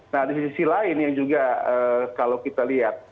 nah di sisi lain yang juga kalau kita lihat